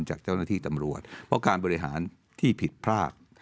จากเจ้าหน้าที่ตำรวจเพราะการบริหารที่ผิดพลาด